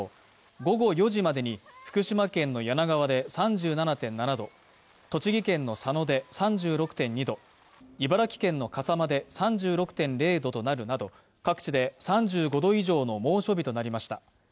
午後４時までに福島県の梁川で３７．７度栃木県の佐野で３６．２度、茨城県の笠間まで３６．０度となるなど各地で３５度以上の猛暑日となりました。